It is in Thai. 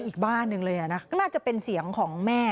มีคนร้องบอกให้ช่วยด้วยก็เห็นภาพเมื่อสักครู่นี้เราจะได้ยินเสียงเข้ามาเลย